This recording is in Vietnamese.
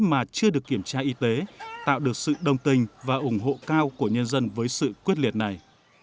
mà chưa được kiểm tra y tế tạo được sự đồng tình và ủng hộ cao của nhân dân với sự quyết liệt này